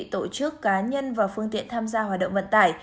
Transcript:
tổ chức cá nhân và phương tiện tham gia hoạt động vận tải